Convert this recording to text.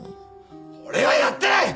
俺はやってない！